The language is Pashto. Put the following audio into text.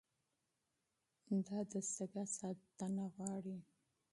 دا دستګاه ساتنه غواړي.